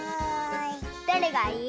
どれがいい？